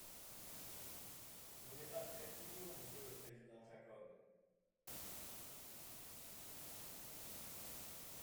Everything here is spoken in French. Vous m’épaterez toujours, Monsieur le Président Jacob.